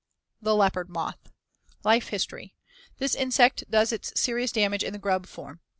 ] THE LEOPARD MOTH Life history: This insect does its serious damage in the grub form.